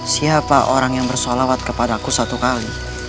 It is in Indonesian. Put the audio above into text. siapa orang yang bersholawat kepada aku satu kali